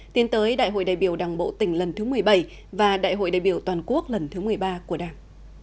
tiến tới đại hội đại biểu đảng bộ tỉnh lần thứ một mươi bảy và đại hội đại biểu toàn quốc lần thứ một mươi ba của đảng